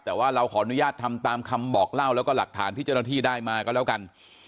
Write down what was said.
แต่ว่าเราขออนุญาตทำตามคำบอกเล่าแล้วก็หลักฐานที่เจ้าหน้าที่ได้มาก็แล้วกัน